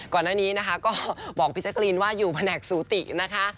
ก่อนหน้านี้นะคะก็บอกพี่แจ๊กรีนว่าอยู่แผนกสูตินะคะ